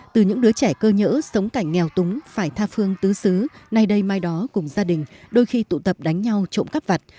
từ những đứa trẻ cơ nhỡ sống cảnh nghèo túng phải tha phương tứ xứ nay đây mai đó cùng gia đình đôi khi tụ tập đánh nhau trộm cắp vặt